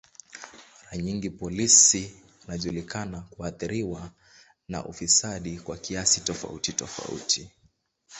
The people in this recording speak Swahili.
Mara nyingi polisi wanajulikana kuathiriwa na ufisadi kwa kiasi tofauti tofauti.